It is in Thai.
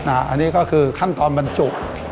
อันนี้ก็คือขั้นตอนบรรจุ